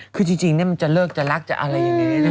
คือจริงมันจะเลิกจะรักจะอะไรอย่างนี้นะ